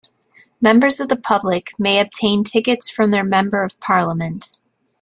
Members of the public may obtain tickets from their Member of Parliament.